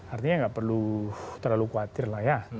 artinya nggak perlu terlalu khawatir lah ya